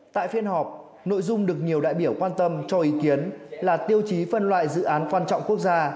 tại phiên họp nội dung được nhiều đại biểu quan tâm cho ý kiến là tiêu chí phân loại dự án quan trọng quốc gia